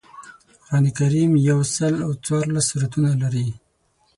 قران کریم یوسل او څوارلس سورتونه لري